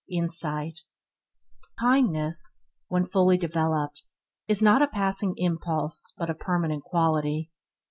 Insight Kindness, when fully developed, is not a passing impulse but a permanent quality.